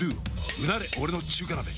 うなれ俺の中華鍋！